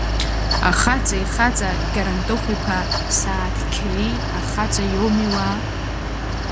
Ахаҵа ихаҵа Кьарантыхә-иԥа сааҭқьери ахаҵа иоуми, уаа!